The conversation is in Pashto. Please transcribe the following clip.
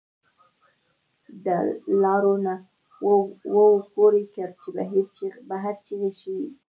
دَ لا ور نه وو پورې کړ، چې بهر چغې شوې